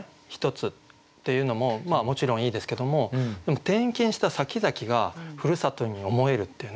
１つっていうのももちろんいいですけどもでも転勤したさきざきがふるさとに思えるっていうね